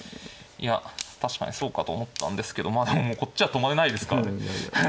いや確かにそうかと思ったんですけどまあでもこっちは止まれないですから。